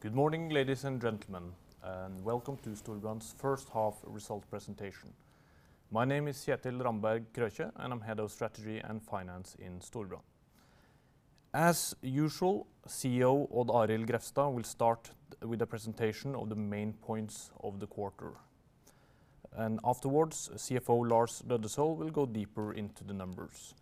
Good morning, ladies and gentlemen, welcome to Storebrand's First Half Result Presentation. My name is Kjetil Ramberg Krøkje, and I'm head of strategy and finance in Storebrand. As usual, CEO Odd Arild Grefstad will start with a presentation of the main points of the quarter. Afterwards, CFO Lars Løddesøl will go deeper into the numbers.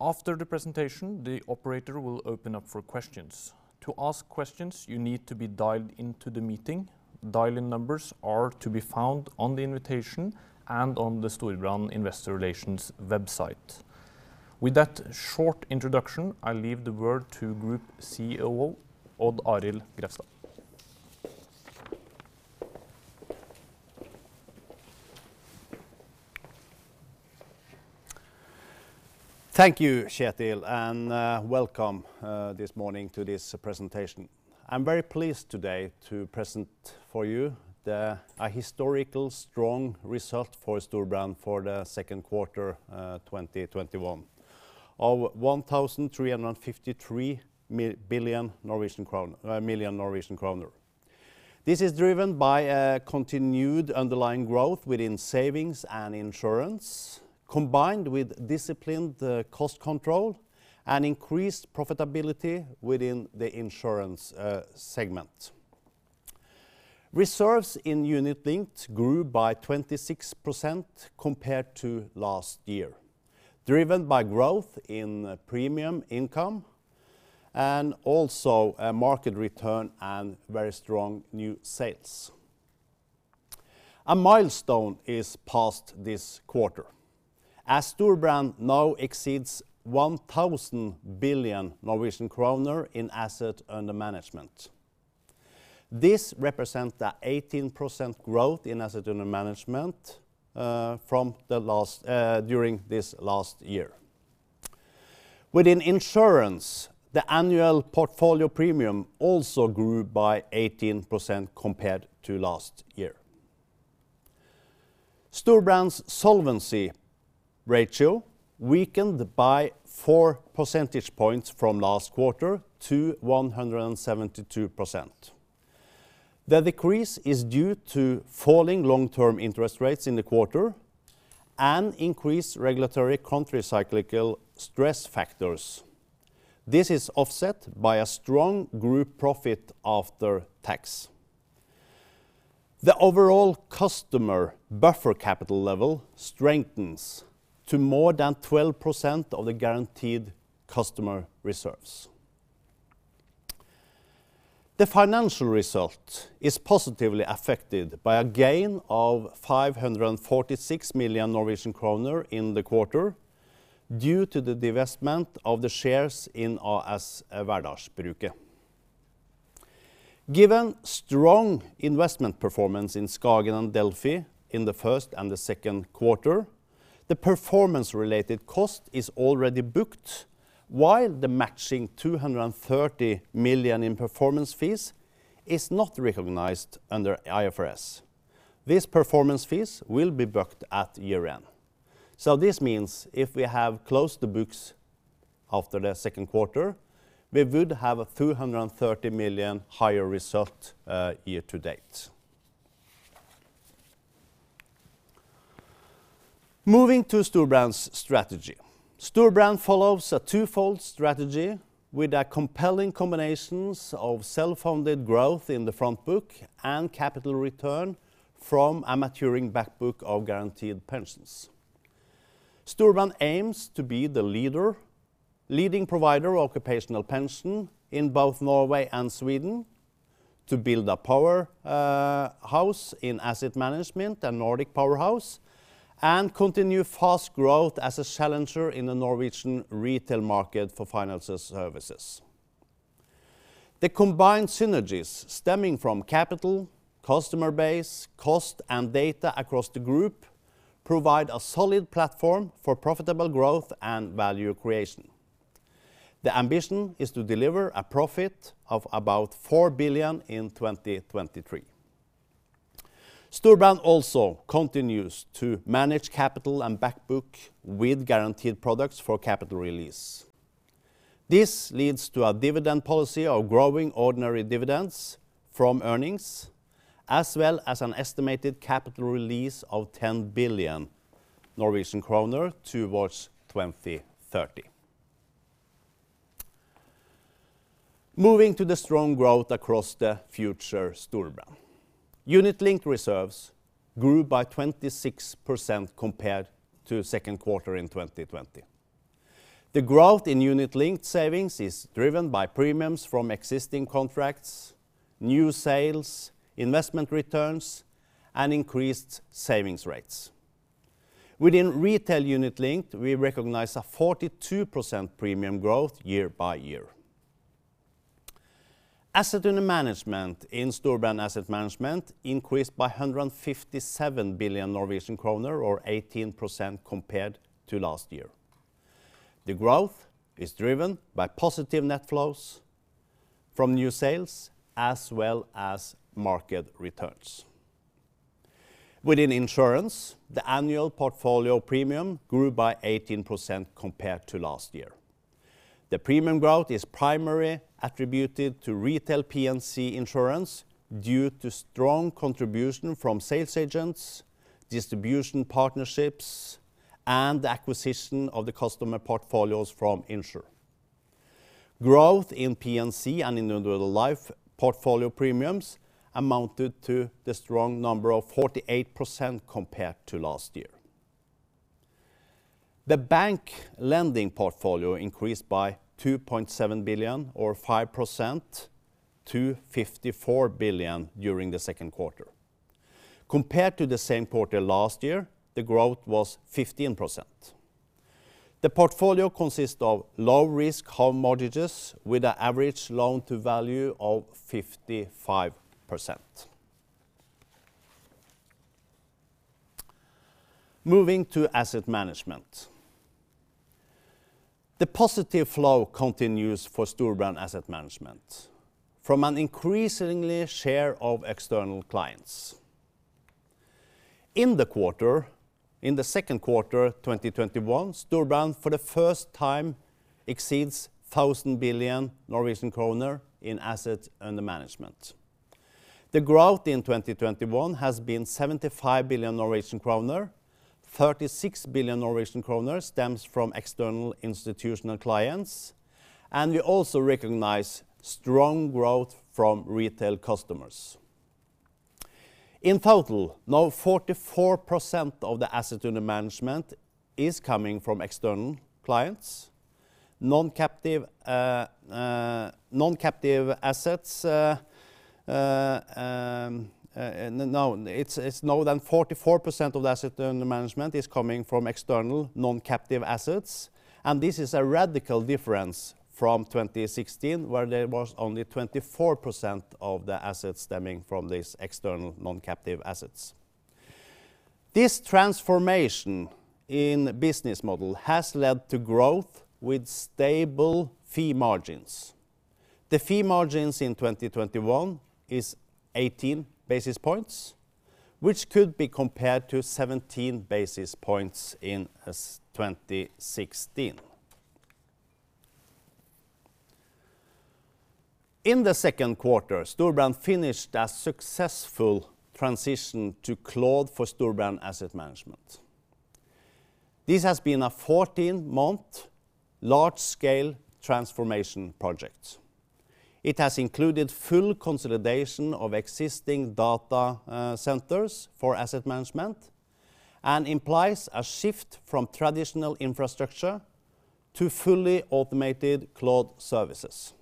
After the presentation, the operator will open up for questions. To ask questions, you need to be dialed into the meeting. Dial-in numbers are to be found on the invitation and on the Storebrand investor relations website. With that short introduction, I leave the word to Group CEO Odd Arild Grefstad. Thank you, Kjetil, welcome this morning to this presentation. I'm very pleased today to present for you a historical strong result for Storebrand for the second quarter 2021 of NOK 1,353 million. This is driven by a continued underlying growth within savings and insurance, combined with disciplined cost control and increased profitability within the insurance segment. Reserves in unit-linked grew by 26% compared to last year, driven by growth in premium income and also a market return and very strong new sales. A milestone is passed this quarter, as Storebrand now exceeds 1,000 billion Norwegian kroner in asset under management. This represents the 18% growth in asset under management during this last year. Within insurance, the annual portfolio premium also grew by 18% compared to last year. Storebrand's solvency ratio weakened by 4 percentage points from last quarter to 172%. The decrease is due to falling long-term interest rates in the quarter and increased regulatory counter-cyclical stress factors. This is offset by a strong group profit after tax. The overall customer buffer capital level strengthens to more than 12% of the guaranteed customer reserves. The financial result is positively affected by a gain of 546 million Norwegian kroner in the quarter due to the divestment of the shares in AS Værdalsbruket. Given strong investment performance in SKAGEN and Delphi in the first and the second quarter, the performance related cost is already booked while the matching 230 million in performance fees is not recognized under IFRS. These performance fees will be booked at year-end. This means if we have closed the books after the second quarter, we would have a 230 million higher result year to date. Moving to Storebrand's strategy. Storebrand follows a twofold strategy with a compelling combination of self-funded growth in the front book and capital return from a maturing back book of guaranteed pensions. Storebrand aims to be the leading provider of occupational pension in both Norway and Sweden, to build a powerhouse in asset management, a Nordic powerhouse, and continue fast growth as a challenger in the Norwegian retail market for financial services. The combined synergies stemming from capital, customer base, cost, and data across the group provide a solid platform for profitable growth and value creation. The ambition is to deliver a profit of about 4 billion in 2023. Storebrand also continues to manage capital and back book with guaranteed products for capital release. This leads to a dividend policy of growing ordinary dividends from earnings, as well as an estimated capital release of 10 billion Norwegian kroner towards 2030. Moving to the strong growth across the future Storebrand. Unit-linked reserves grew by 26% compared to the second quarter in 2020. The growth in unit-linked savings is driven by premiums from existing contracts, new sales, investment returns, and increased savings rates. Within retail unit-linked, we recognize a 42% premium growth year-by-year. Asset under management in Storebrand Asset Management increased by 157 billion Norwegian kroner or 18% compared to last year. The growth is driven by positive net flows from new sales as well as market returns. Within insurance, the annual portfolio premium grew by 18% compared to last year. The premium growth is primarily attributed to retail P&C insurance due to strong contribution from sales agents, distribution partnerships, and the acquisition of the customer portfolios from Insr. Growth in P&C and individual life portfolio premiums amounted to the strong number of 48% compared to last year. The bank lending portfolio increased by 2.7 billion, or 5%, to 54 billion during the second quarter. Compared to the same quarter last year, the growth was 15%. The portfolio consists of low-risk home mortgages with an average loan-to-value of 55%. Moving to asset management. The positive flow continues for Storebrand Asset Management from an increasing share of external clients. In the second quarter 2021, Storebrand for the first time exceeds 1,000 billion Norwegian kroner in assets under management. The growth in 2021 has been 75 billion Norwegian kroner, 36 billion Norwegian kroner stems from external institutional clients, we also recognize strong growth from retail customers. In total, now 44% of the assets under management is coming from external non-captive assets. This is a radical difference from 2016, where there was only 24% of the assets stemming from these external non-captive assets. This transformation in business model has led to growth with stable fee margins. The fee margins in 2021 is 18 basis points, which could be compared to 17 basis points in 2016. In the second quarter, Storebrand finished a successful transition to cloud for Storebrand Asset Management. This has been a 14-month, large-scale transformation project. It has included full consolidation of existing data centers for asset management and implies a shift from traditional infrastructure to fully automated cloud services.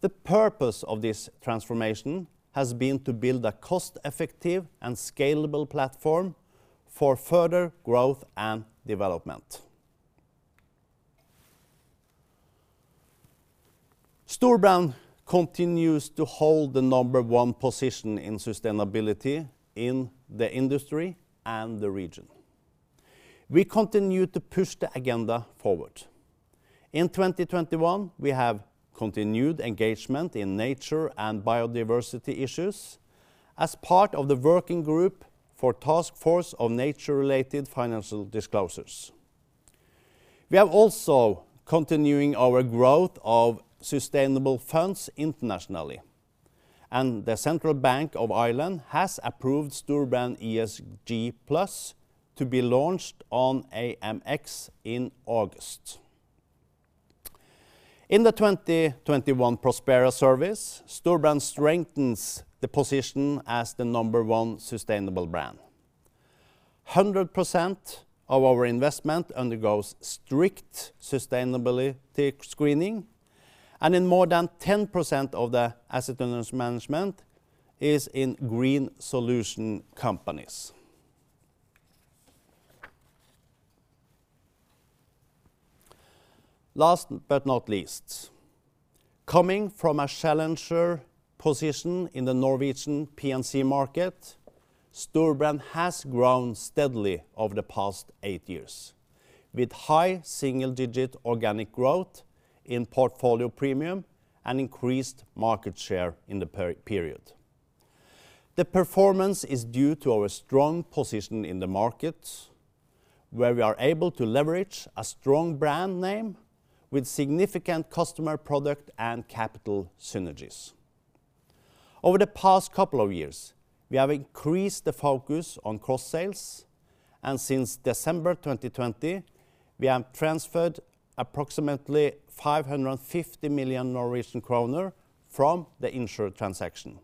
The purpose of this transformation has been to build a cost-effective and scalable platform for further growth and development. Storebrand continues to hold the number one position in sustainability in the industry and the region. We continue to push the agenda forward. In 2021, we have continued engagement in nature and biodiversity issues as part of the working group for Taskforce on Nature-related Financial Disclosures. We are also continuing our growth of sustainable funds internationally. The Central Bank of Ireland has approved Storebrand ESG+ to be launched on AMX in August. In the 2021 Prospera surveys, Storebrand strengthens the position as the number one sustainable brand. 100% of our investment undergoes strict sustainability screening. More than 10% of the assets under management is in green solution companies. Last but not least, coming from a challenger position in the Norwegian P&C market, Storebrand has grown steadily over the past eight years, with high single-digit organic growth in portfolio premium and increased market share in the period. The performance is due to our strong position in the market, where we are able to leverage a strong brand name with significant customer product and capital synergies. Over the past couple of years, we have increased the focus on cross-sales, and since December 2020, we have transferred approximately 550 million Norwegian kroner from the Insr transaction.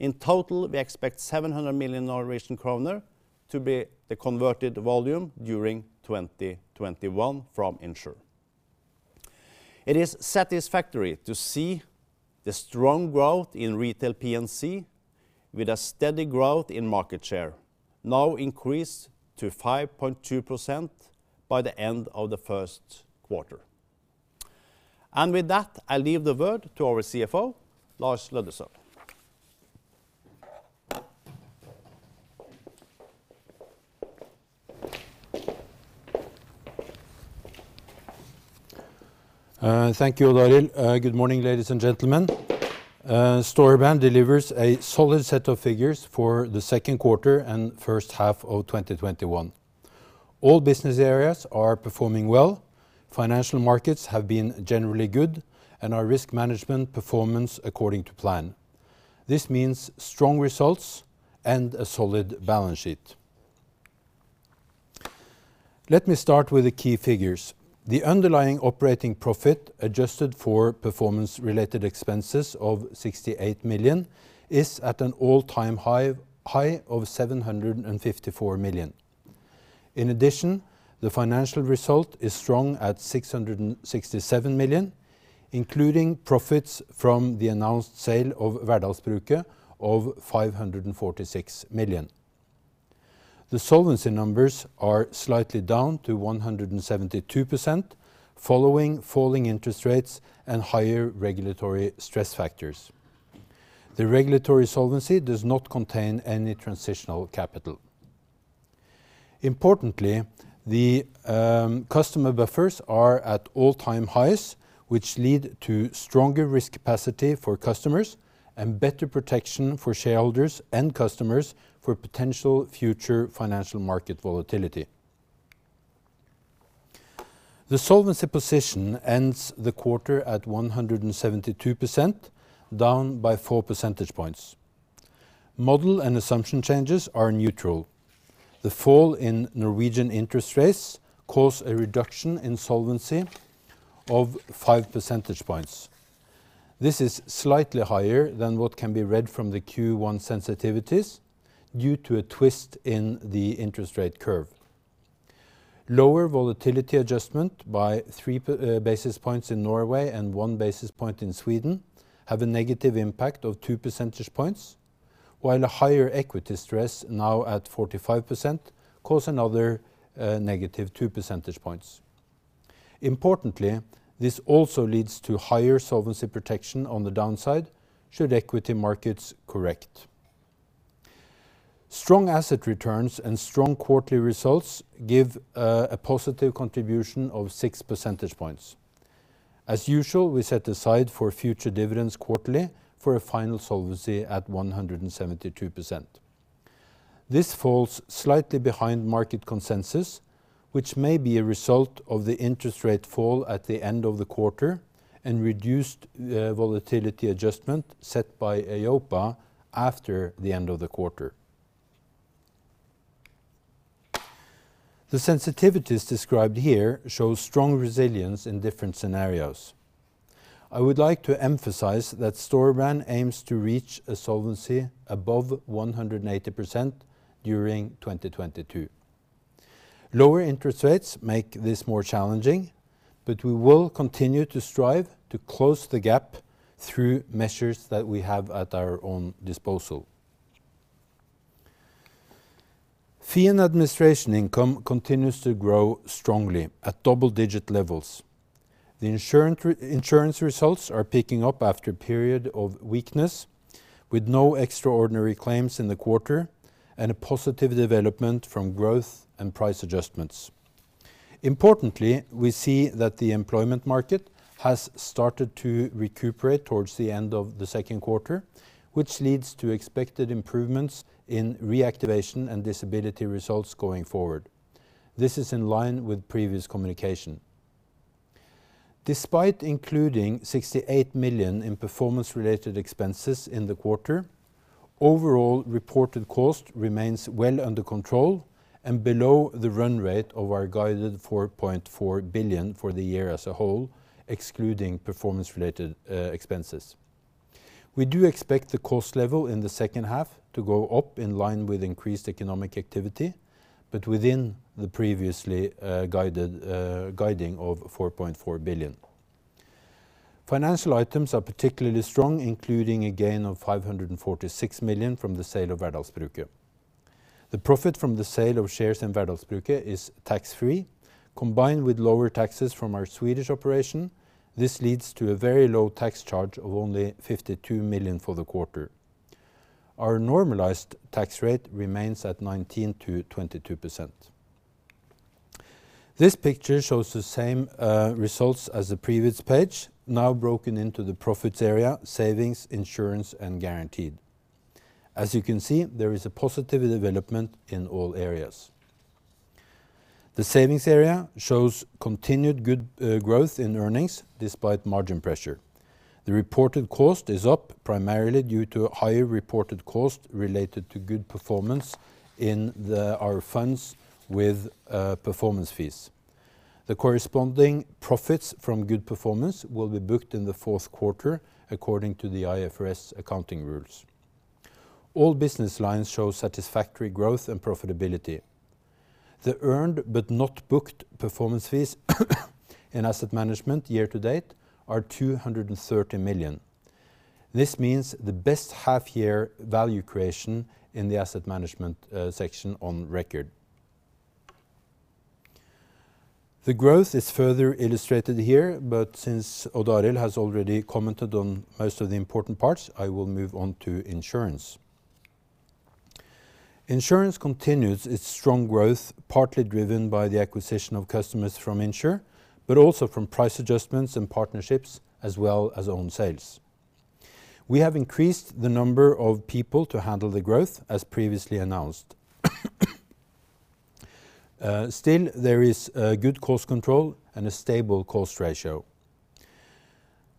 In total, we expect 700 million Norwegian kroner to be the converted volume during 2021 from Insr. It is satisfactory to see the strong growth in retail P&C with a steady growth in market share, now increased to 5.2% by the end of the first quarter. With that, I leave the word to our CFO, Lars Løddesøl. Thank you, Odd Arild, good morning, ladies and gentlemen. Storebrand delivers a solid set of figures for the second quarter and first half of 2021. All business areas are performing well. Financial markets have been generally good, and our risk management performance according to plan. This means strong results and a solid balance sheet. Let me start with the key figures. The underlying operating profit, adjusted for performance-related expenses of 68 million, is at an all-time high of 754 million. In addition, the financial result is strong at 667 million, including profits from the announced sale of AS Værdalsbruket of 546 million. The Solvency numbers are slightly down to 172%, following falling interest rates and higher regulatory stress factors. The regulatory Solvency does not contain any transitional capital. Importantly, the customer buffers are at all-time highs, which lead to stronger risk capacity for customers and better protection for shareholders and customers for potential future financial market volatility. The solvency position ends the quarter at 172%, down by 4 percentage points. Model and assumption changes are neutral. The fall in Norwegian interest rates cause a reduction in solvency of 5 percentage points. This is slightly higher than what can be read from the Q1 sensitivities due to a twist in the interest rate curve. Lower volatility adjustment by 3 basis points in Norway and 1 basis point in Sweden have a negative impact of 2 percentage points, while a higher equity stress, now at 45%, cause another -2 percentage points. Importantly, this also leads to higher solvency protection on the downside, should equity markets correct. Strong asset returns and strong quarterly results give a positive contribution of 6 percentage points. As usual, we set aside for future dividends quarterly for a final solvency at 172%. This falls slightly behind market consensus, which may be a result of the interest rate fall at the end of the quarter and reduced volatility adjustment set by EIOPA after the end of the quarter. The sensitivities described here show strong resilience in different scenarios. I would like to emphasize that Storebrand aims to reach a solvency above 180% during 2022. Lower interest rates make this more challenging; we will continue to strive to close the gap through measures that we have at our own disposal. Fee and administration income continues to grow strongly at double-digit levels. The insurance results are picking up after a period of weakness, with no extraordinary claims in the quarter and a positive development from growth and price adjustments. Importantly, we see that the employment market has started to recuperate towards the end of the second quarter, which leads to expected improvements in reactivation and disability results going forward. This is in line with previous communication. Despite including 68 million in performance-related expenses in the quarter, overall reported cost remains well under control and below the run rate of our guided 4.4 billion for the year as a whole, excluding performance-related expenses. We do expect the cost level in the second half to go up in line with increased economic activity, but within the previously guiding of 4.4 billion. Financial items are particularly strong, including a gain of 546 million from the sale of Værdalsbruket. The profit from the sale of shares in Værdalsbruket is tax-free. Combined with lower taxes from our Swedish operation, this leads to a very low tax charge of only 52 million for the quarter. Our normalized tax rate remains at 19%-22%. This picture shows the same results as the previous page, now broken into the profits area, savings, insurance, and guaranteed. As you can see, there is a positive development in all areas. The savings area shows continued good growth in earnings despite margin pressure. The reported cost is up primarily due to higher reported cost related to good performance in our funds with performance fees. The corresponding profits from good performance will be booked in the fourth quarter according to the IFRS accounting rules. All business lines show satisfactory growth and profitability. The earned but not booked performance fees in asset management year to date are 230 million. This means the best half-year value creation in the asset management section on record. The growth is further illustrated here, but since Odd Arild has already commented on most of the important parts, I will move on to insurance. Insurance continues its strong growth, partly driven by the acquisition of customers from Insr, but also from price adjustments and partnerships, as well as own sales. We have increased the number of people to handle the growth, as previously announced. Still, there is good cost control and a stable cost ratio.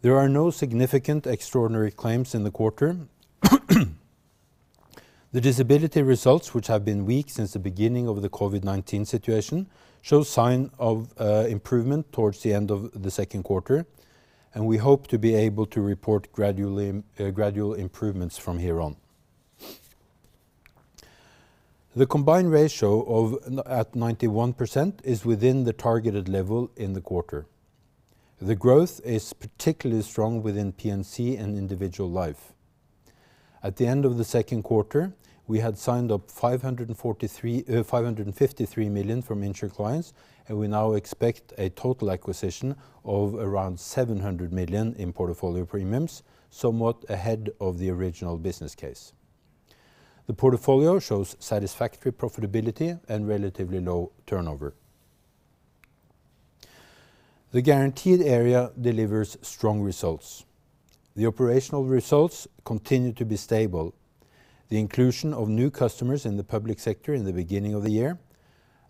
There are no significant extraordinary claims in the quarter. The disability results, which have been weak since the beginning of the COVID-19 situation, show sign of improvement towards the end of the second quarter, and we hope to be able to report gradual improvements from here on. The combined ratio at 91% is within the targeted level in the quarter. The growth is particularly strong within P&C and individual life. At the end of the second quarter, we had signed up 553 million from Insr clients, and we now expect a total acquisition of around 700 million in portfolio premiums, somewhat ahead of the original business case. The portfolio shows satisfactory profitability and relatively low turnover. The guaranteed area delivers strong results, the operational results continue to be stable. The inclusion of new customers in the public sector in the beginning of the year,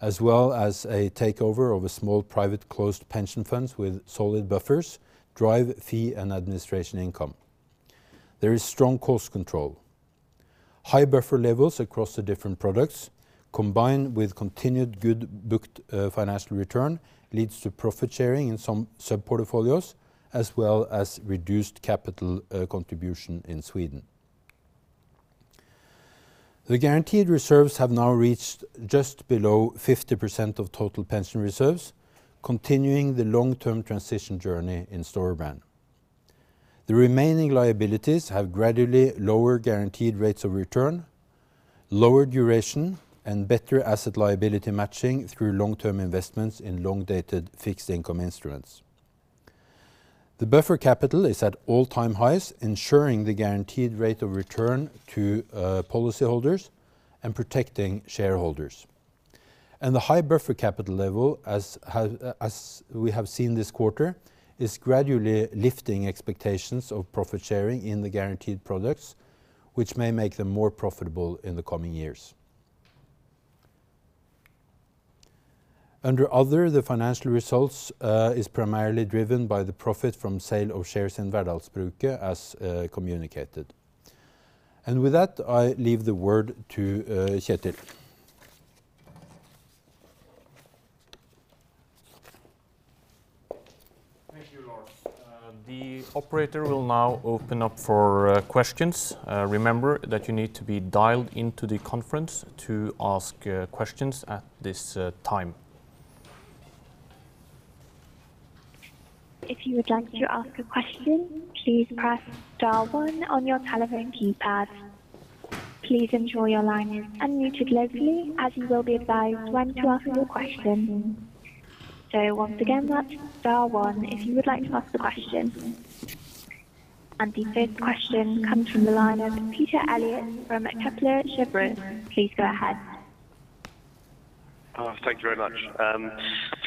as well as a takeover of a small private closed pension fund with solid buffers, drive fee and administration income. There is strong cost control. High buffer levels across the different products, combined with continued good booked financial return, leads to profit sharing in some sub-portfolios, as well as reduced capital contribution in Sweden. The guaranteed reserves have now reached just below 50% of total pension reserves, continuing the long-term transition journey in Storebrand. The remaining liabilities have gradually lower guaranteed rates of return, lower duration, and better asset liability matching through long-term investments in long-dated fixed income instruments. The buffer capital is at all-time highs, ensuring the guaranteed rate of return to policyholders and protecting shareholders. The high buffer capital level, as we have seen this quarter, is gradually lifting expectations of profit sharing in the guaranteed products, which may make them more profitable in the coming years. Under other, the financial results is primarily driven by the profit from sale of shares in Værdalsbruket, as communicated. With that, I leave the word to Kjetil. Thank you, Lars, the operator will now open up for questions. If you would like to ask a question, please press star one on your telephone keypad. Please ensure your line is unmuted locally, as you will be advised when to ask your question. So once again, that's star one if you would like to ask a question. And the first question comes from the line of Peter Elliot from Kepler Cheuvreux, please go ahead. Thank you very much.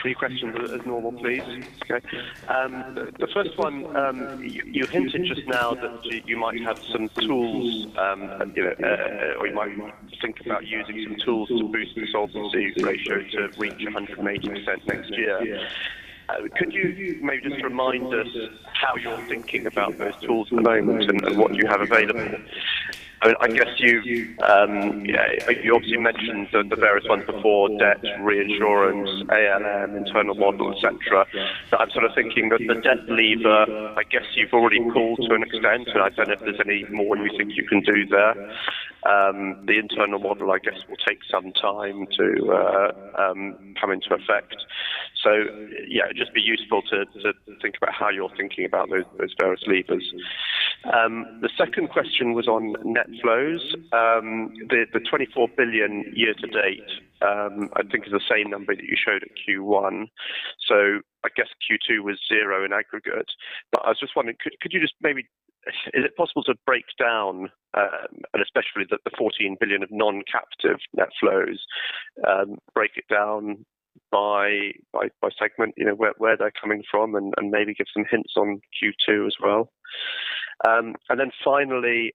Three questions as normal, please, okay. The first one, you hinted just now that you might have some tools, or you might think about using some tools to boost the solvency ratio to reach 180% next year. Could you maybe just remind us how you're thinking about those tools at the moment, and what you have available? You obviously mentioned the various ones before, debt, reinsurance, AM, internal model, et cetera. I'm thinking of the debt lever, I guess you've already called to an extent, and I don't know if there's any more you think you can do there. The internal model, I guess, will take some time to come into effect. Yeah, it'd just be useful to think about how you're thinking about those various levers. The second question was on net flows. The 24 billion year to date, I think, is the same number that you showed at Q1. I guess Q2 was zero in aggregate. I was just wondering, is it possible to break down, and especially the 14 billion of non-captive net flows, break it down by segment, where they're coming from, and maybe give some hints on Q2 as well? Then finally,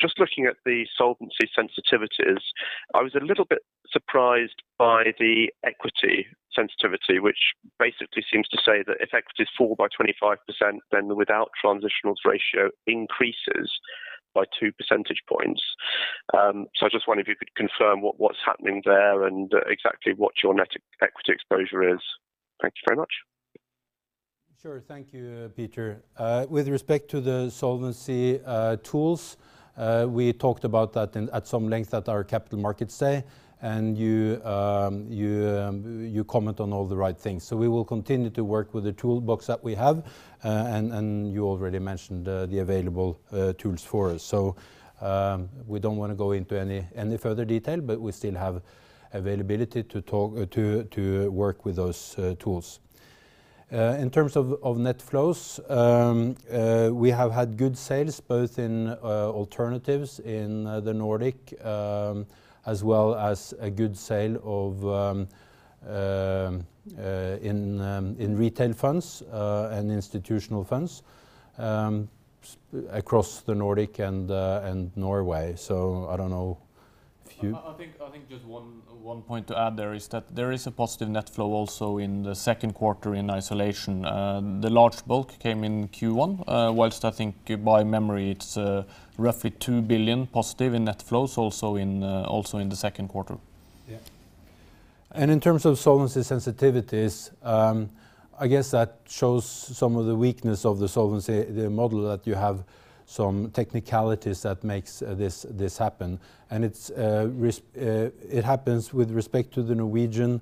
just looking at the solvency sensitivities, I was a little bit surprised by the equity sensitivity, which basically seems to say that if equities fall by 25%, then the without transitionals ratio increases by 2 percentage points. I just wonder if you could confirm what's happening there, and exactly what your net equity exposure is? Thank you very much. Sure, thank you, Peter. With respect to the solvency tools, we talked about that at some length at our Capital Markets Day, and you comment on all the right things. We will continue to work with the toolbox that we have, and you already mentioned the available tools for us. We don't want to go into any further detail, but we still have availability to work with those tools. In terms of net flows, we have had good sales both in alternatives in the Nordic, as well as a good sale in retail funds and institutional funds across the Nordic and Norway, I don't know if you. I think just one point to add there is that there is a positive net flow also in the second quarter in isolation. The large bulk came in Q1, whilst I think by memory, it's roughly +2 billion in net flows also in the second quarter. Yeah, in terms of solvency sensitivities, I guess that shows some of the weakness of the solvency, the model that you have some technicalities that makes this happen. It happens with respect to the Norwegian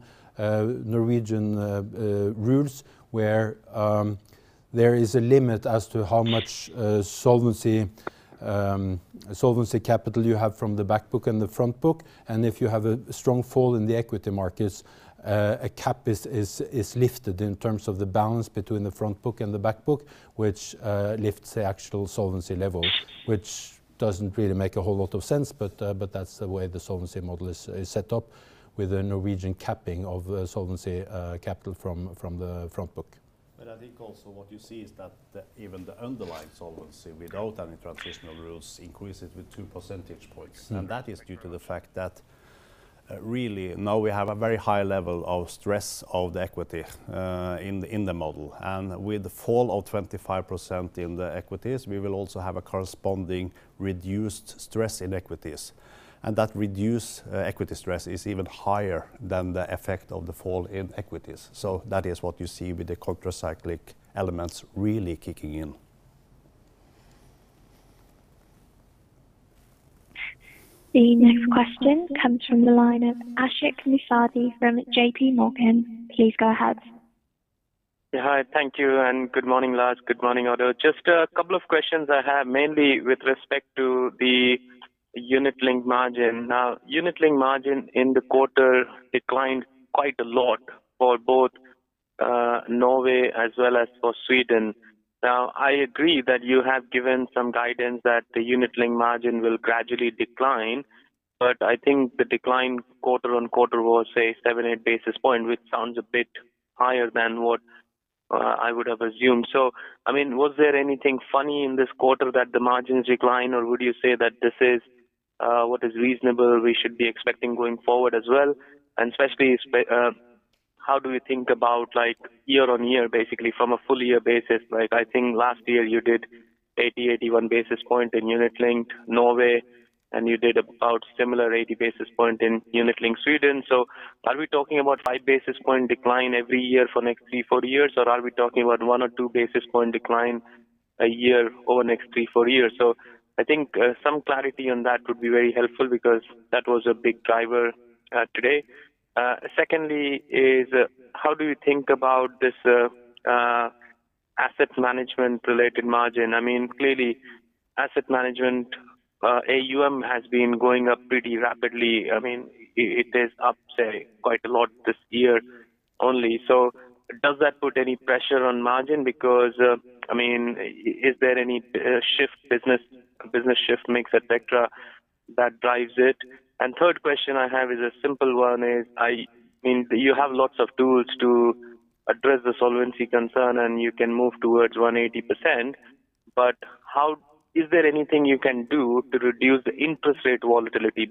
rules, where there is a limit as to how much solvency capital you have from the back book and the front book. If you have a strong fall in the equity markets, a cap is lifted in terms of the balance between the front book and the back book, which lifts the actual solvency level. Which doesn't really make a whole lot of sense, but that's the way the solvency model is set up with a Norwegian capping of solvency capital from the front book. I think also what you see is that even the underlying solvency without any transitional rules increases with 2 percentage points. That is due to the fact that really now we have a very high level of stress of the equity in the model. With the fall of 25% in the equities, we will also have a corresponding reduced stress in equities. That reduced equity stress is even higher than the effect of the fall in equities. That is what you see with the countercyclical elements really kicking in. The next question comes from the line of Ashik Musaddi from J.P. Morgan, please go ahead. Yeah, hi, thank you, and good morning, Lars. Good morning, Odd. Just a couple of questions I have mainly with respect to the unit-linked margin. Unit-linked margin in the quarter declined quite a lot for both Norway as well as for Sweden. I agree that you have given some guidance that the unit-linked margin will gradually decline, but I think the decline quarter-on-quarter was, say, seven, eight basis points, which sounds a bit higher than what I would have assumed. Was there anything funny in this quarter that the margins decline, or would you say that this is what is reasonable we should be expecting going forward as well? Especially, how do we think about year-on-year, basically from a full-year basis? I think last year you did 80 basis points, 81 basis points in unit-linked Norway, and you did about similar 80 basis points in unit-linked Sweden. Are we talking about 5 basis points decline every year for next three, four years, or are we talking about 1 basis points or 2 basis points decline a year over the next three, four years? I think some clarity on that would be very helpful because that was a big driver today. Secondly is how do you think about this asset management related margin? Clearly asset management, AUM has been going up pretty rapidly. It is up, say, quite a lot this year only. Does that put any pressure on margin because, is there any business shift mix et cetera, that drives it? Third question I have is a simple one is, you have lots of tools to address the solvency concern, and you can move towards 180%, but is there anything you can do to reduce the interest rate volatility?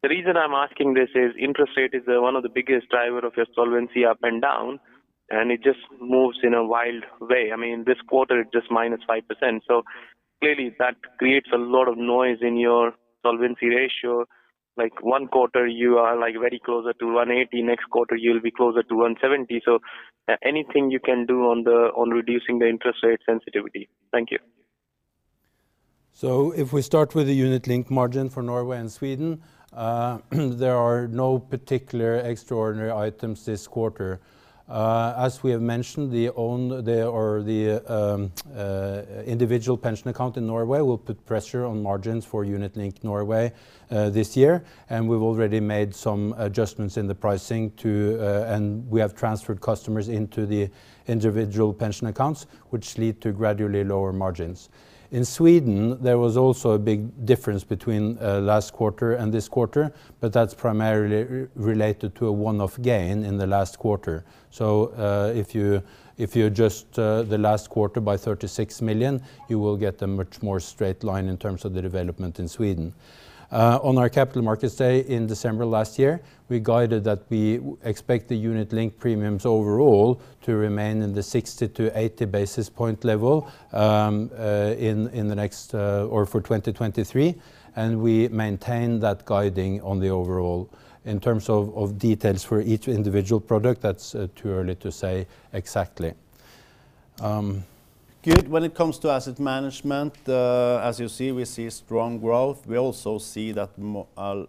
The reason I'm asking this is interest rate is one of the biggest driver of your solvency up and down, and it just moves in a wild way. This quarter it just -5%. Clearly that creates a lot of noise in your solvency ratio. Like one quarter you are very closer to 180%, next quarter you'll be closer to 170%. Anything you can do on reducing the interest rate sensitivity? Thank you. If we start with the unit-linked margin for Norway and Sweden, there are no particular extraordinary items this quarter. As we have mentioned, the own pension account in Norway will put pressure on margins for unit-linked Norway this year, and we've already made some adjustments in the pricing, and we have transferred customers into the individual pension accounts, which lead to gradually lower margins. In Sweden, there was also a big difference between last quarter and this quarter, but that's primarily related to a one-off gain in the last quarter. If you adjust the last quarter by 36 million, you will get a much more straight line in terms of the development in Sweden. On our Capital Markets Day in December last year, we guided that we expect the unit-linked premiums overall to remain in the 60 basis points-80 basis points level for 2023. We maintain that guiding on the overall. In terms of details for each individual product, that's too early to say exactly. Good, when it comes to asset management, as you see, we see strong growth. We also see that a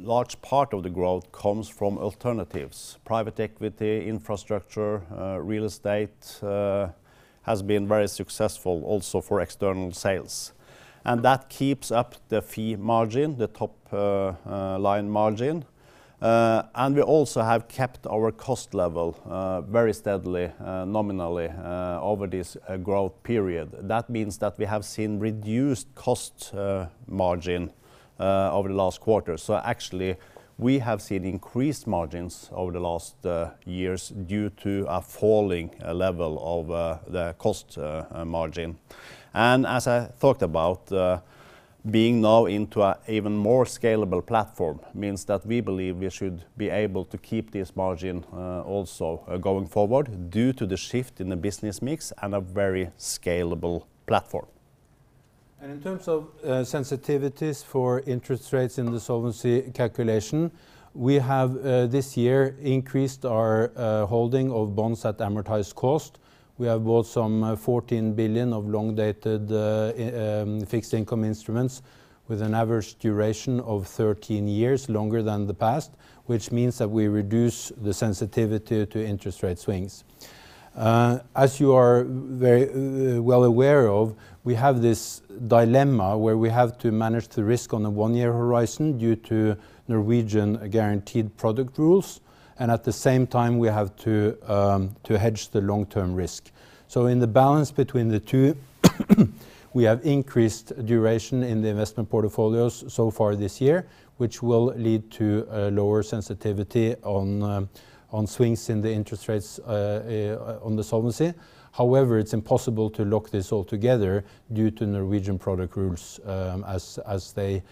large part of the growth comes from alternatives, private equity, infrastructure, real estate has been very successful also for external sales. That keeps up the fee margin, the top line margin. We also have kept our cost level very steadily nominally over this growth period. That means that we have seen reduced cost margin over the last quarter. Actually, we have seen increased margins over the last years due to a falling level of the cost margin. As I thought about being now into an even more scalable platform, means that we believe we should be able to keep this margin also going forward due to the shift in the business mix and a very scalable platform. In terms of sensitivities for interest rates in the solvency calculation, we have this year increased our holding of bonds at amortized cost. We have bought some 14 billion of long-dated fixed income instruments with an average duration of 13 years, longer than the past, which means that we reduce the sensitivity to interest rate swings. As you are very well aware of, we have this dilemma where we have to manage the risk on a one-year horizon due to Norwegian guaranteed product rules, and at the same time, we have to hedge the long-term risk. In the balance between the two, we have increased duration in the investment portfolios so far this year, which will lead to a lower sensitivity on swings in the interest rates on the solvency. It's impossible to lock this all together due to Norwegian product rules as they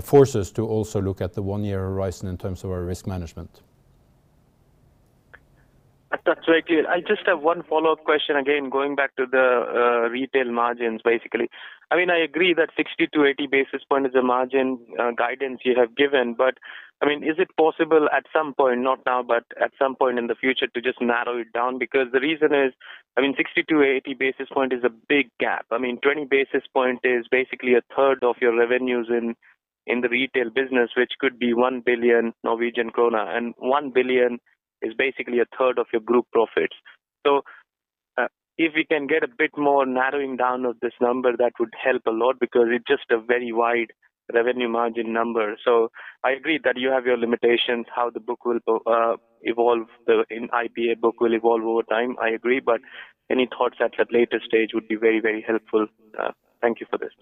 force us to also look at the one-year horizon in terms of our risk management. That's very clear, I just have one follow-up question, again, going back to the retail margins, basically. I agree that 60 basis points-80 basis points is the margin guidance you have given. Is it possible at some point, not now, but at some point in the future to just narrow it down? The reason is, 60 basis points-80 basis points is a big gap. 20 basis points is basically 1/3 of your revenues in the retail business, which could be 1 billion Norwegian krone. 1 billion is basically 1/3 of your group profits. If we can get a bit more narrowing down of this number, that would help a lot because it's just a very wide revenue margin number. I agree that you have your limitations, how the book will evolve, the IPA book will evolve over time, I agree, but any thoughts at a later stage would be very, very helpful, thank you for this.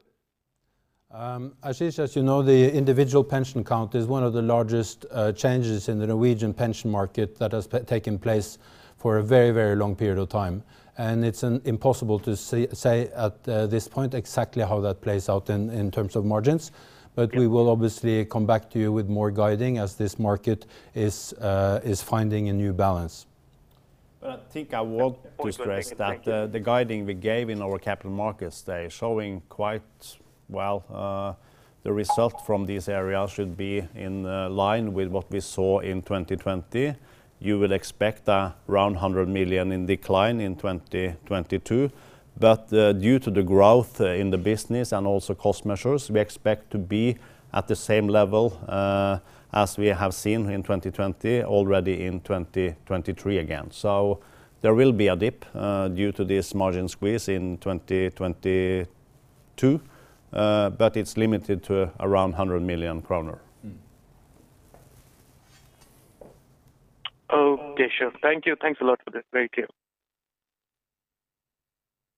Ashik, as you know, the own pension account is one of the largest changes in the Norwegian pension market that has taken place for a very, very long period of time, and it is impossible to say at this point exactly how that plays out in terms of margins. We will obviously come back to you with more guiding as this market is finding a new balance. I think I would stress that the guiding we gave in our Capital Markets Day showing quite well, the result from these areas should be in line with what we saw in 2020. You will expect around 100 million in decline in 2022. Due to the growth in the business and also cost measures, we expect to be at the same level as we have seen in 2020 already in 2023 again. There will be a dip due to this margin squeeze in 2022, but it's limited to around 100 million kroner. Okay, sure, thank you. Thanks a lot for this, very clear.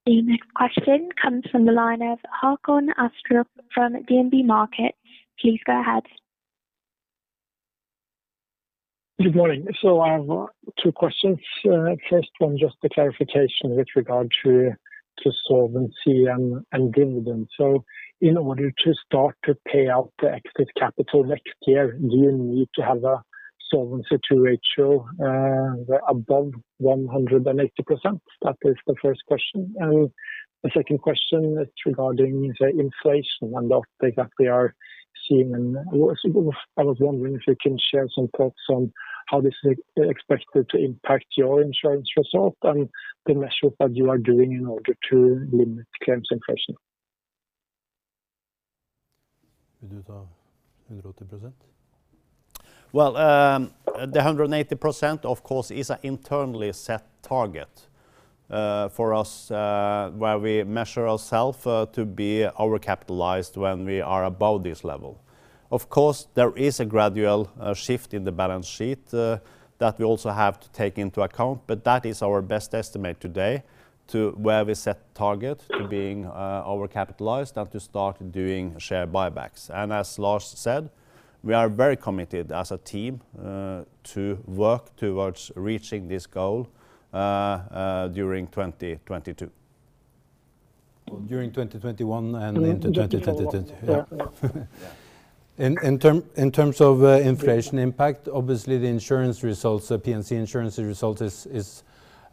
The next question comes from the line of Håkon Astrup from DNB Markets, please go ahead. Good morning, I have two questions. First one, just a clarification with regard to Solvency II and dividend. In order to start to pay out the excess capital next year, do you need to have a Solvency II ratio above 180%? That is the first question. The second question is regarding the inflation and what exactly are you seeing, and I was wondering if you can share some thoughts on how this is expected to impact your insurance result and the measures that you are doing in order to limit claims inflation? Well, the 180%, of course, is an internally set target, for us, where we measure ourselves to be over-capitalized when we are above this level. Of course, there is a gradual shift in the balance sheet that we also have to take into account, but that is our best estimate today to where we set target to being over-capitalized and to start doing share buybacks. As Lars said, we are very committed as a team to work towards reaching this goal during 2022. Well, during 2021 and into 2022. In terms of inflation impact, obviously the insurance results, the P&C insurance result is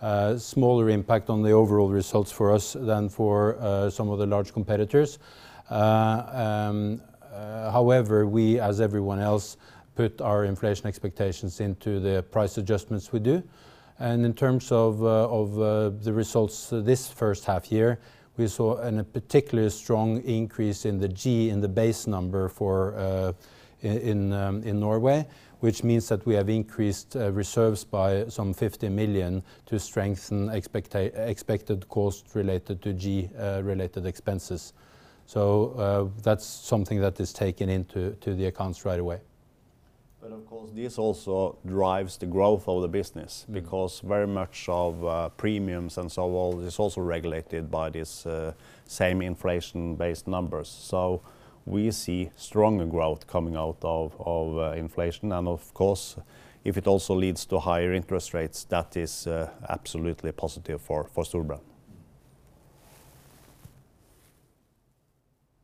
a smaller impact on the overall results for us than for some of the large competitors. We as everyone else, put our inflation expectations into the price adjustments we do. In terms of the results this first half year, we saw a particularly strong increase in the G in the base number in Norway, which means that we have increased reserves by some 50 million to strengthen expected cost related to G-related expenses. That's something that is taken into the accounts right away. Of course, this also drives the growth of the business because very much of premiums and so on is also regulated by this same inflation-based numbers. We see stronger growth coming out of inflation. Of course, if it also leads to higher interest rates, that is absolutely positive for Storebrand.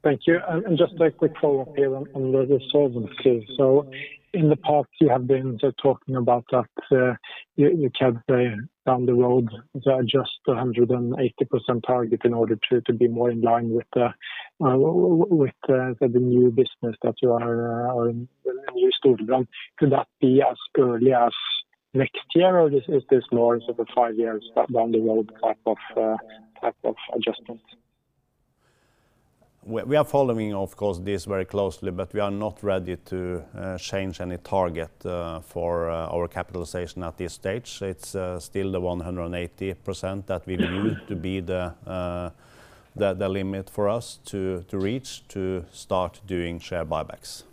Thank you, just a quick follow-up here on the solvency. In the past, you have been talking about that you can down the road adjust 180% target in order to be more in line with the new business that you are, new Storebrand. Could that be as early as next year, or is this more of a five years down the road type of adjustment? We are following of course this very closely, but we are not ready to change any target for our capitalization at this stage. It's still the 180% that we believe to be the limit for us to reach to start doing share buybacks.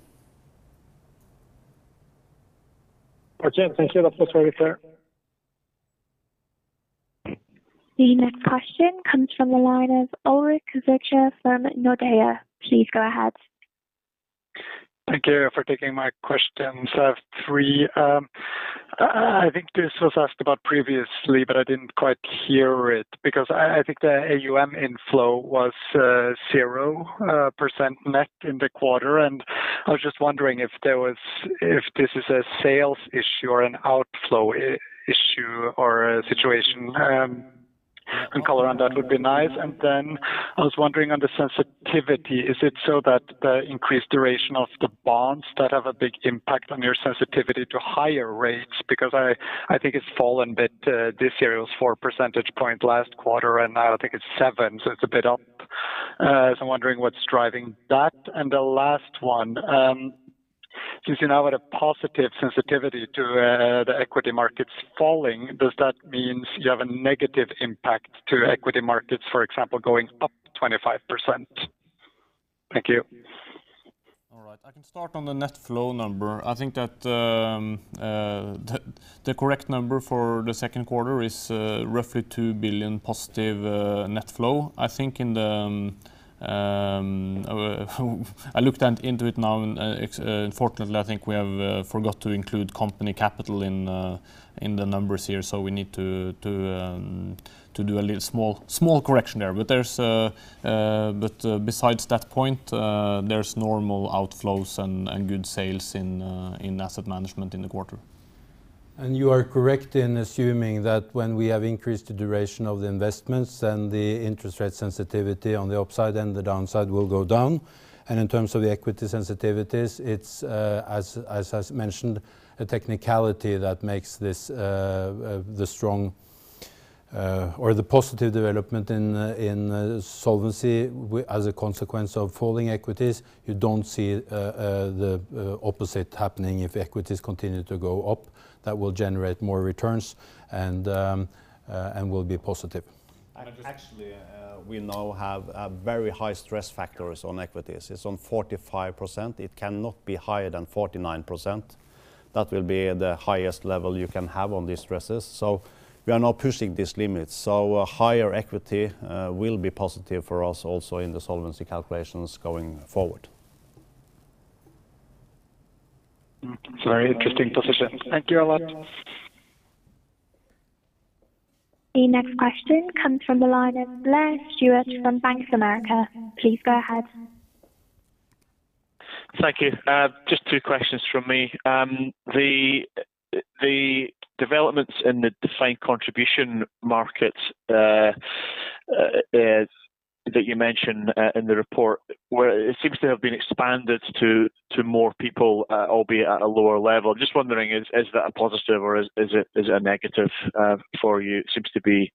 Okay, thank you, that was very clear. The next question comes from the line of Ulrik Zürcher from Nordea, please go ahead. Thank you for taking my questions, I have three. I think this was asked about previously, but I didn't quite hear it because I think the AUM inflow was 0% net in the quarter. I was just wondering if this is a sales issue or an outflow issue or a situation. Some color on that would be nice. I was wondering on the sensitivity, is it so that the increased duration of the bonds that have a big impact on your sensitivity to higher rates? I think it's fallen bit this year. It was 4 percentage point last quarter, now I think it's 7 percentage point, it's a bit up. I'm wondering what's driving that. The last one, since you're now at a positive sensitivity to the equity markets falling, does that mean you have a negative impact to equity markets, for example, going up 25%? Thank you. All right, I can start on the net flow number. I think that the correct number for the second quarter is roughly +2 billion net flow. I looked into it now, unfortunately, I think we have forgot to include company capital in the numbers here. We need to do a small correction there. Besides that point, there's normal outflows and good sales in asset management in the quarter. You are correct in assuming that when we have increased the duration of the investments and the interest rate sensitivity on the upside and the downside will go down. In terms of the equity sensitivities, it's, as I mentioned, a technicality that makes this the strong or the positive development in Solvency as a consequence of falling equities. You don't see the opposite happening if equities continue to go up. That will generate more returns and will be positive. Actually, we now have a very high stress factors on equities, it's on 45%. It cannot be higher than 49%. That will be the highest level you can have on these stresses, we are now pushing this limit. Higher equity will be positive for us also in the solvency calculations going forward. It's a very interesting position, thank you a lot. The next question comes from the line of Blair Stewart from Bank of America, please go ahead. Thank you, just two questions from me. The developments in the defined contribution market that you mentioned in the report, it seems to have been expanded to more people, albeit at a lower level. Just wondering, is that a positive or is it a negative for you? It seems to be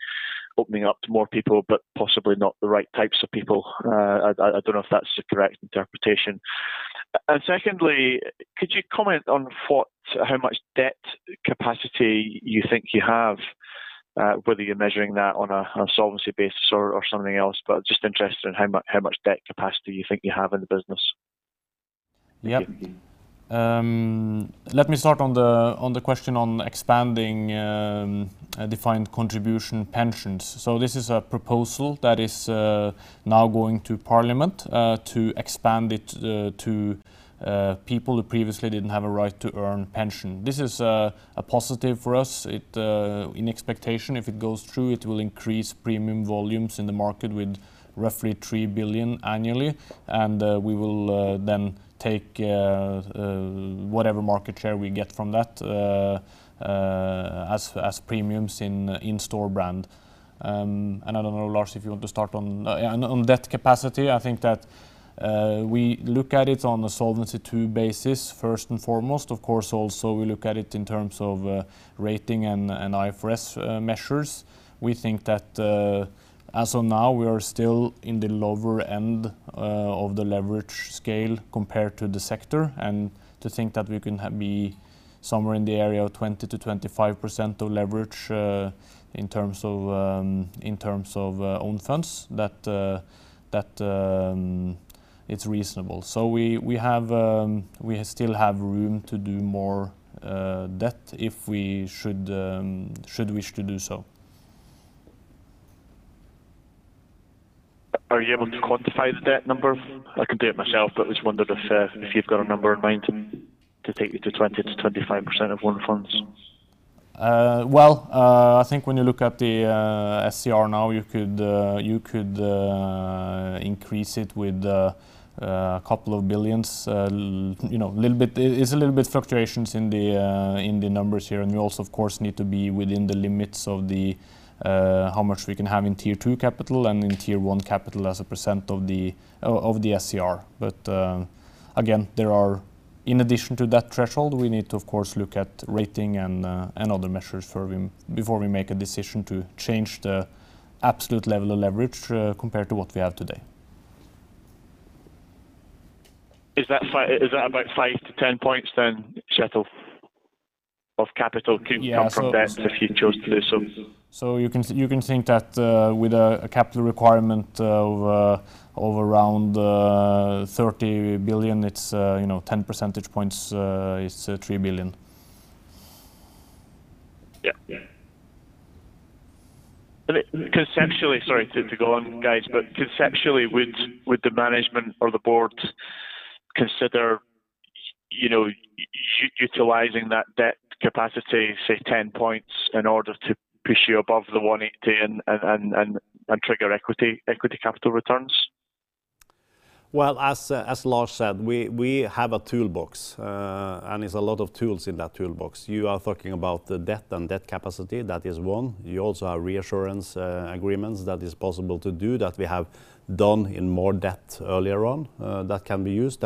opening up to more people, possibly not the right types of people. I don't know if that's the correct interpretation. Secondly, could you comment on how much debt capacity you think you have, whether you're measuring that on a solvency basis or something else, just interested in how much debt capacity you think you have in the business. Yep, let me start on the question on expanding defined contribution pensions. This is a proposal that is now going to parliament to expand it to people who previously didn't have a right to earn pension. This is a positive for us. In expectation, if it goes through, it will increase premium volumes in the market with roughly 3 billion annually, and we will then take whatever market share we get from that as premiums in Storebrand. I don't know, Lars, if you want to start on debt capacity, I think that we look at it on a Solvency II basis, first and foremost. Of course, also we look at it in terms of rating and IFRS measures. We think that as of now, we are still in the lower end of the leverage scale compared to the sector, to think that we can be somewhere in the area of 20%-25% of leverage in terms of own funds, that it's reasonable. We still have room to do more debt if we should wish to do so. Are you able to quantify the debt number? I can do it myself, but just wondered if you've got a number in mind to take you to 20%-25% of own funds. Well, I think when you look at the SCR now, you could increase it with a couple of billions. There is a little bit fluctuations in the numbers here, and we also, of course, need to be within the limits of how much we can have in Tier two capital and in Tier one capital as a percent of the SCR. But again, in addition to that threshold, we need to, of course, look at rating and other measures before we make a decision to change the absolute level of leverage compared to what we have today. Is that about 5 percentage points-10 percentage points then, Kjetil, of capital could come from debt if you chose to do so? You can think that with a capital requirement of around 30 billion, 10 percentage points is 3 billion. Yeah, sorry to go on, guys, conceptually, would the management or the board consider utilizing that debt capacity, say 10 percentage points, in order to push you above the 180% and trigger equity capital returns? Well, as Lars said, we have a toolbox, and there's a lot of tools in that toolbox. You are talking about the debt and debt capacity, that is one. You also have reinsurance agreements that is possible to do that we have done in more debt earlier on that can be used.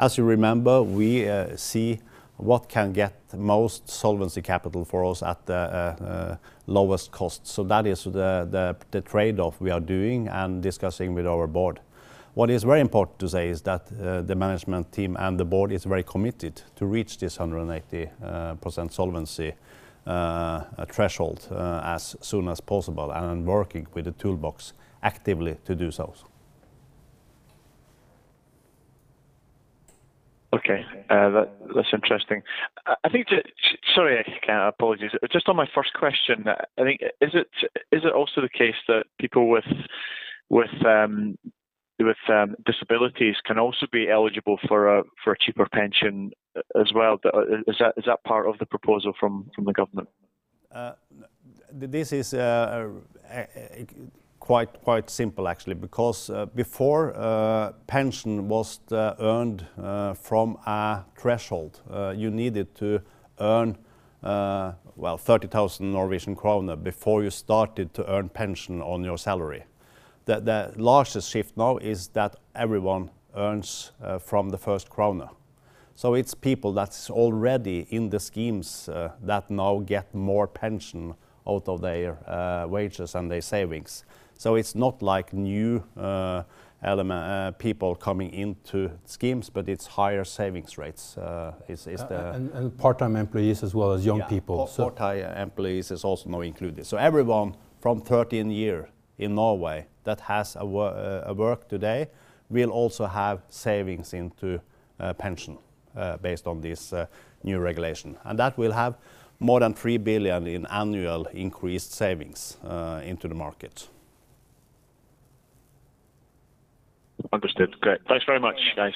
As you remember, we see what can get most solvency capital for us at the lowest cost. That is the trade-off we are doing and discussing with our board. What is very important to say is that the management team and the board is very committed to reach this 180% solvency threshold as soon as possible and working with the toolbox actively to do so. Okay, that's interesting. Sorry, I apologize. Just on my first question, is it also the case that people with disabilities can also be eligible for a cheaper pension as well? Is that part of the proposal from the government? This is quite simple, actually, because before pension was earned from a threshold, you needed to earn 30,000 Norwegian kroner before you started to earn pension on your salary. The largest shift now is that everyone earns from the first Krone. It's people that's already in the schemes that now get more pension out of their wages and their savings. It's not like new people coming into schemes, but it's higher savings rates. Part-time employees as well as young people. Yeah, part-time employees is also now included. Everyone from 13 year in Norway that has a work today will also have savings into pension based on this new regulation. That will have more than 3 billion in annual increased savings into the market. Understood, great, thanks very much, guys.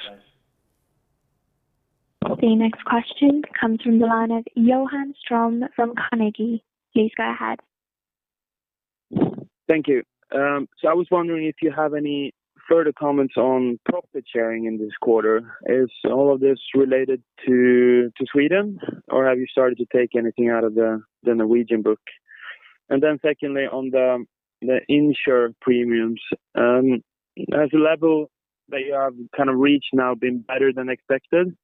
The next question comes from the line of Johan Ström from Carnegie, please go ahead. Thank you, I was wondering if you have any further comments on profit sharing in this quarter. Is all of this related to Sweden, or have you started to take anything out of the Norwegian book? Secondly, on the Insr premiums, has the level that you have reached now been better than expected?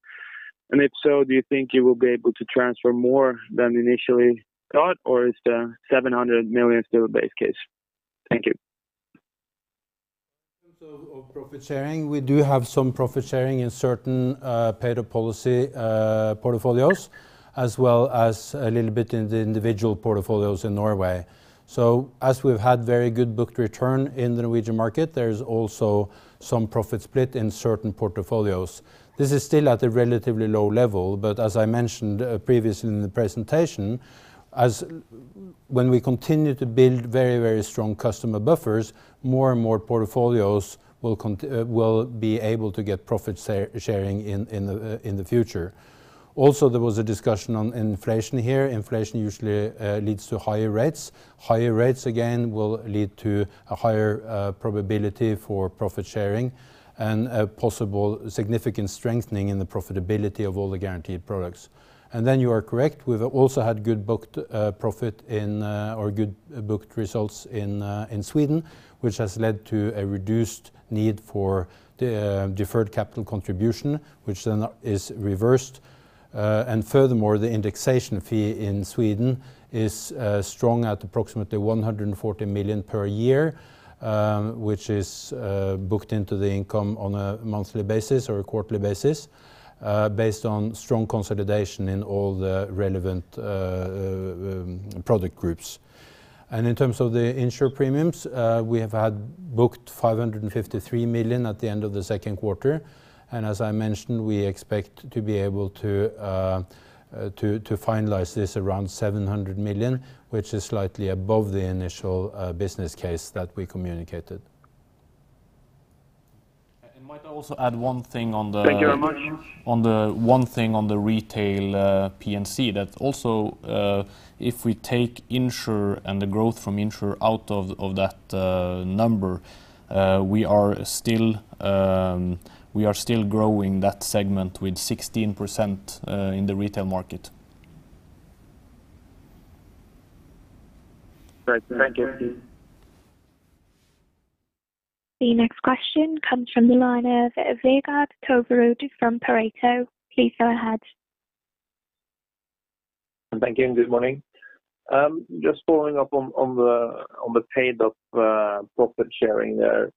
If so, do you think you will be able to transfer more than initially thought, or is the 700 million still a base case? Thank you. In terms of profit sharing, we do have some profit sharing in certain paid-up policy portfolios, as well as a little bit in the individual portfolios in Norway. As we've had very good book return in the Norwegian market, there is also some profit split in certain portfolios. This is still at a relatively low level, but as I mentioned previously in the presentation, when we continue to build very strong customer buffers, more and more portfolios will be able to get profit sharing in the future. There was a discussion on inflation here. Inflation usually leads to higher rates. Higher rates, again, will lead to a higher probability for profit sharing and a possible significant strengthening in the profitability of all the guaranteed products. You are correct, we've also had good booked profit or good booked results in Sweden, which has led to a reduced need for deferred capital contribution, which then is reversed. Furthermore, the indexation fee in Sweden is strong at approximately 140 million per year, which is booked into the income on a monthly basis or a quarterly basis based on strong consolidation in all the relevant product groups. In terms of the Insr premiums, we have had booked 553 million at the end of the second quarter, and as I mentioned, we expect to be able to finalize this around 700 million, which is slightly above the initial business case that we communicated. I might also add one thing on the retail P&C that also if we take Insr and the growth from Insr out of that number, we are still growing that segment with 16% in the retail market. Thank you. The next question comes from the line of Vegard Toverud from Pareto, please go ahead. Thank you, good morning. Just following up on the paid-up profit sharing there.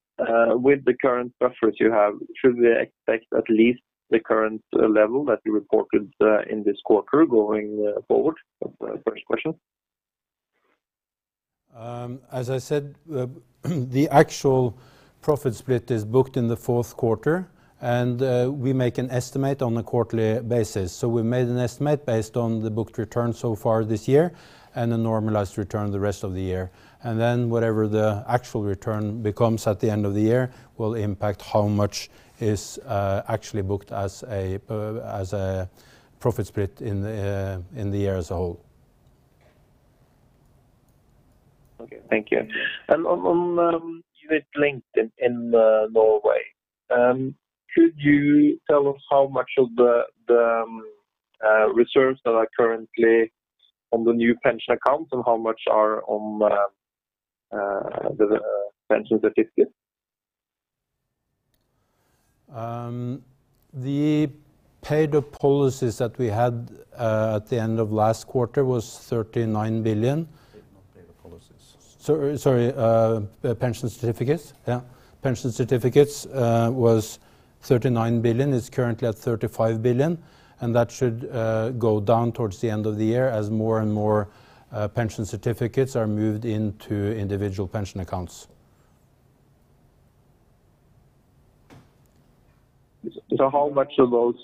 With the current buffers you have, should we expect at least the current level that you reported in this quarter going forward? First question. As I said, the actual profit split is booked in the fourth quarter. We make an estimate on a quarterly basis. We made an estimate based on the booked return so far this year and a normalized return the rest of the year. Whatever the actual return becomes at the end of the year will impact how much is actually booked as a profit split in the year as a whole. Okay, thank you. On unit-linked in Norway, could you tell us how much of the reserves that are currently on the own pension account, and how much are on the pension capital certificates? The paid-up policies that we had at the end of last quarter was 39 billion. Not paid-up policies. Sorry, the pension certificates, yeah. Pension certificates was 39 billion. It's currently at 35 billion, that should go down towards the end of the year as more and more pension certificates are moved into individual pension accounts. How much of those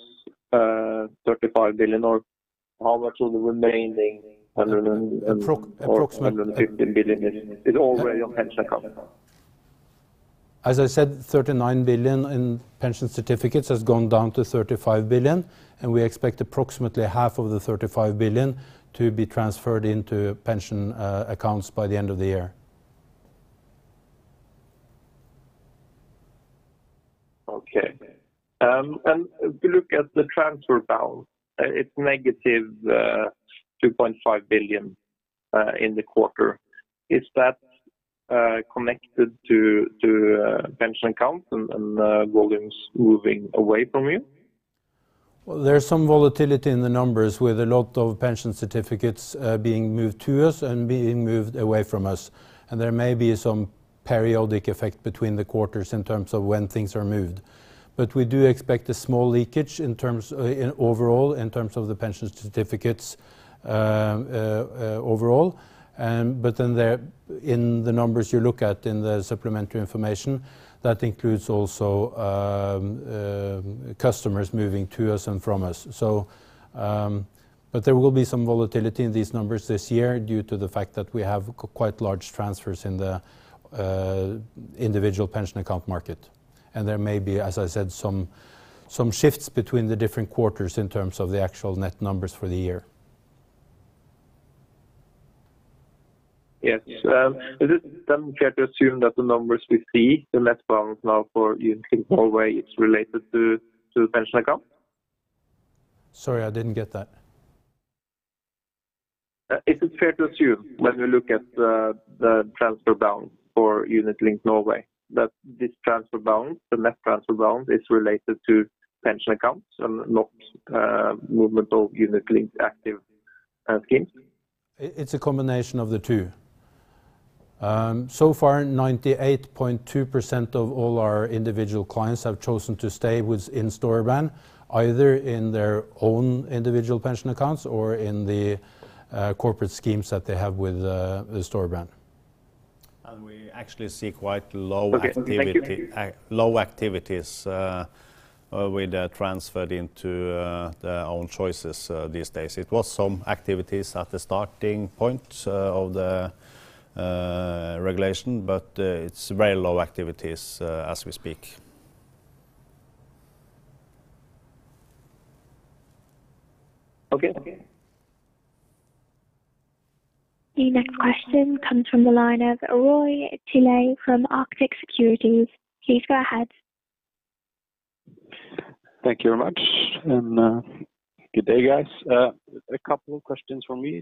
35 billion, or how much of the remaining 150 billion is already in Pension Account now? As I said, 39 billion in pension certificates has gone down to 35 billion, and we expect approximately half of the 35 billion to be transferred into pension accounts by the end of the year. Okay, if you look at the transfer balance, it's -2.5 billion in the quarter. Is that connected to pension accounts and volumes moving away from you? Well, there's some volatility in the numbers with a lot of pension capital certificates being moved to us and being moved away from us, and there may be some periodic effect between the quarters in terms of when things are moved. We do expect a small leakage overall in terms of the pension capital certificates overall. In the numbers you look at in the supplementary information, that includes also customers moving to us and from us. There will be some volatility in these numbers this year due to the fact that we have quite large transfers in the own pension account market. There may be, as I said, some shifts between the different quarters in terms of the actual net numbers for the year. Yes, is it fair to assume that the numbers we see, the net ones now for Unit-linked Norway, is related to pension accounts? Sorry, I didn't get that. Is it fair to assume when we look at the transfer balance for unit-linked Norway, that this transfer balance, the net transfer balance, is related to pension accounts and not movement of unit-linked? Thank you. It's a combination of the two. So far, 98.2% of all our individual clients have chosen to stay within Storebrand, either in their own individual pension accounts or in the corporate schemes that they have with Storebrand. We actually see quite low activities with the transfer into their own choices these days. It was some activities at the starting point of the regulation, but it's very low activities as we speak. Okay. The next question comes from the line of Roy Tilley from Arctic Securities, please go ahead. Thank you very much, good day, guys. A couple of questions from me.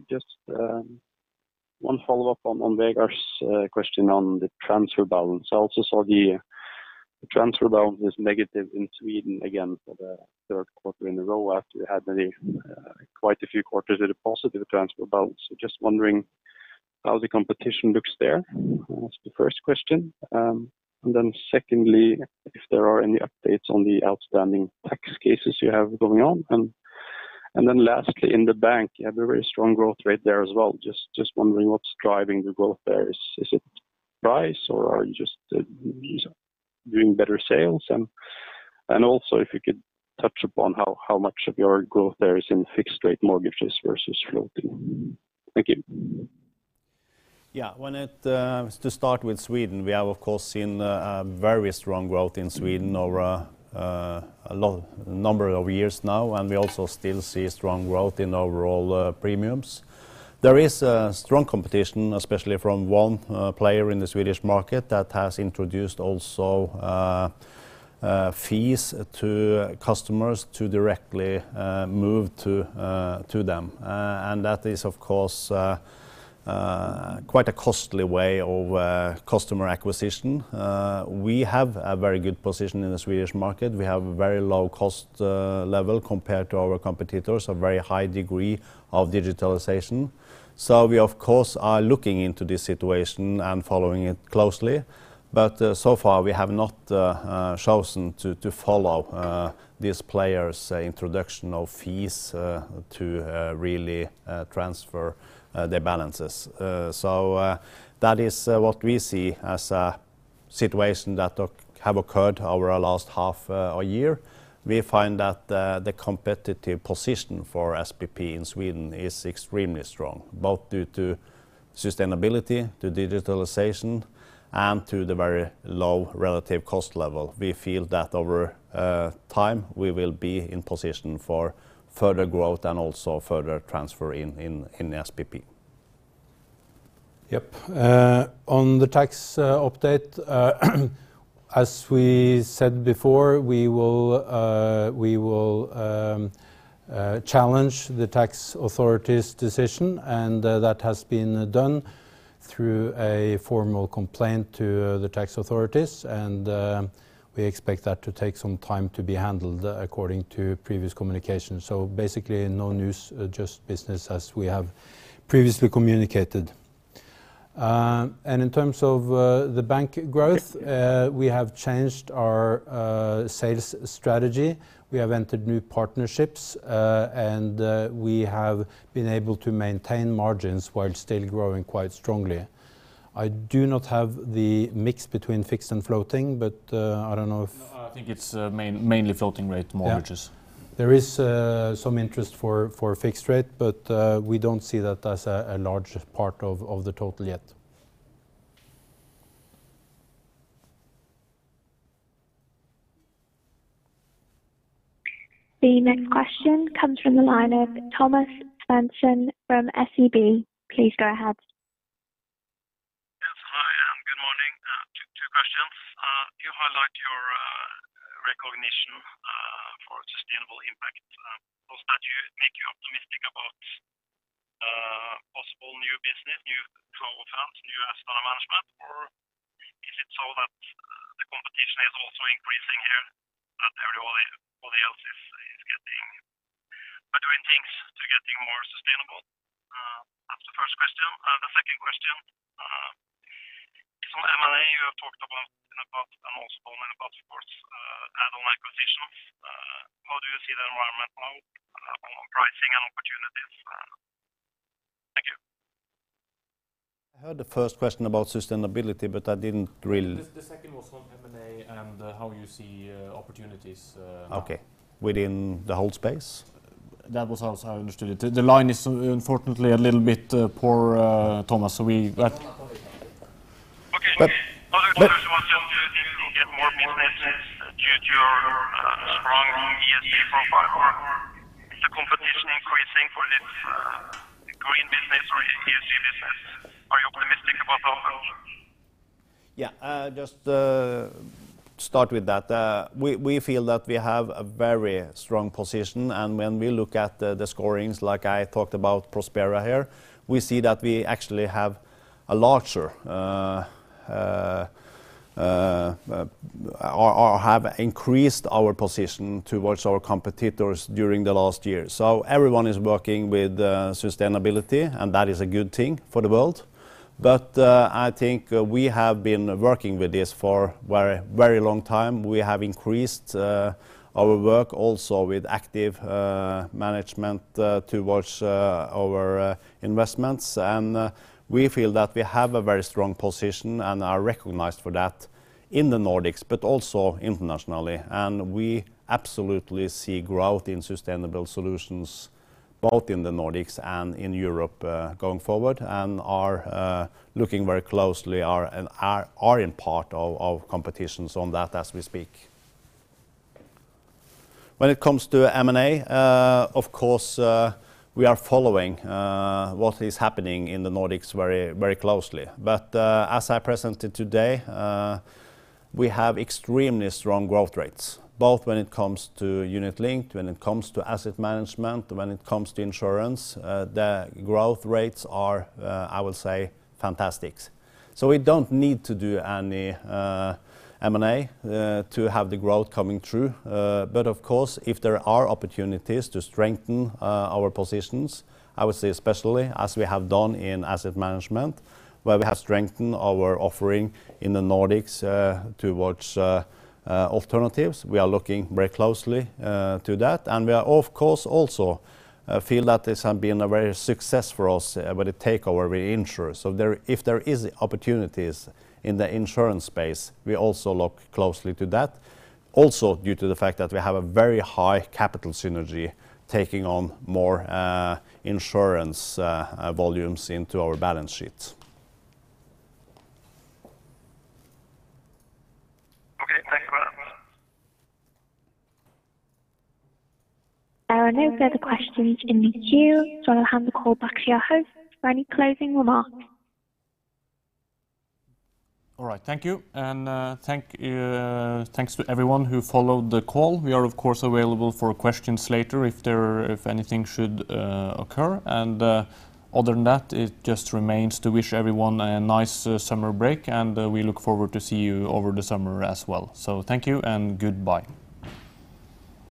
Just one follow-up on Vegard's question on the transfer balance. I also saw the transfer balance is negative in Sweden again for the third quarter in a row after we had quite a few quarters with a positive transfer balance. Just wondering how the competition looks there. That was the first question. Secondly, if there are any updates on the outstanding tax cases you have going on. Lastly, in the bank, you have a very strong growth rate there as well. Just wondering what's driving the growth there. Is it price or are you just doing better sales? Also if you could touch upon how much of your growth there is in fixed rate mortgages versus floating? Thank you. Yeah, to start with Sweden, we have of course seen a very strong growth in Sweden over a number of years now, and we also still see strong growth in overall premiums. There is a strong competition, especially from one player in the Swedish market that has introduced also fees to customers to directly move to them. That is of course quite a costly way of customer acquisition. We have a very good position in the Swedish market. We have a very low cost level compared to our competitors, a very high degree of digitalization. We of course are looking into this situation and following it closely. So far we have not chosen to follow these players' introduction of fees to really transfer the balances. That is what we see as a situation that have occurred over the last half a year. We find that the competitive position for SPP in Sweden is extremely strong, both due to sustainability, to digitalization, and to the very low relative cost level. We feel that over time we will be in position for further growth and also further transfer in the SPP. Yep, on the tax update, as we said before, we will challenge the tax authority's decision, and that has been done through a formal complaint to the tax authorities, and we expect that to take some time to be handled according to previous communication. Basically no news, just business as we have previously communicated. In terms of the bank growth, we have changed our sales strategy. We have entered new partnerships, and we have been able to maintain margins while still growing quite strongly. I do not have the mix between fixed and floating, but I think it's mainly floating rate mortgages. Yeah, there is some interest for fixed rate, but we don't see that as a large part of the total yet. The next question comes from the line of Thomas Hansen from SEB, please go ahead. Yes, good morning, two questions. You highlight your recognition for sustainable impact. Does that make you optimistic about possible new business, new 12-month, new asset management, or is it so that the competition is also increasing here, that everyone else is doing things to getting more sustainable? That's the first question. The second question, in some M&A you have talked about and also commented about, of course, the headline positions. How do you see the environment now for M&A opportunities? Thank you. I heard the first question about sustainability. The second was on M&A and how you see opportunities. Okay, within the whole space? That was how I understood it, the line is unfortunately a little bit poor, Thomas. Okay, other peers was able to get more business due to your strong ESG profile. Is the competition increasing for this green business or are you optimistic about the options? Yeah, just start with that. We feel that we have a very strong position, and when we look at the scorings, like I talked about Prospera here, we see that we actually have increased our position towards our competitors during the last year. Everyone is working with sustainability, and that is a good thing for the world. I think we have been working with this for a very long time. We have increased our work also with active management towards our investments, and we feel that we have a very strong position and are recognized for that in the Nordics, but also internationally. We absolutely see growth in sustainable solutions both in the Nordics and in Europe going forward and are looking very closely and are in part of competitions on that as we speak. When it comes to M&A, of course, we are following what is happening in the Nordics very closely. As I presented today, we have extremely strong growth rates, both when it comes to unit-linked, when it comes to asset management, when it comes to insurance. The growth rates are, I would say, fantastic. We don't need to do any M&A to have the growth coming through. Of course, if there are opportunities to strengthen our positions, I would say especially as we have done in asset management, where we have strengthened our offering in the Nordics towards alternatives. We are looking very closely to that. We of course also feel that this has been a great success for us with the takeover with the Insr. If there is opportunities in the insurance space, we also look closely to that. Also, due to the fact that we have a very high capital synergy taking on more insurance volumes into our balance sheets. Okay, thank you very much. I don't see any other questions in the queue, so I'll hand the call back to your host for any closing remarks. All right, thank you, and thanks to everyone who followed the call. We are, of course, available for questions later if anything should occur. Other than that, it just remains to wish everyone a nice summer break, and we look forward to seeing you over the summer as well, thank you and goodbye.